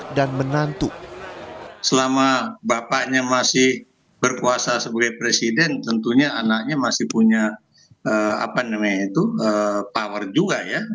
menantu selama bapaknya masih berkuasa sebagai presiden tentunya anaknya masih punya power juga ya